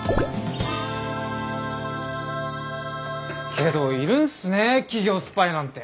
けどいるんすね企業スパイなんて。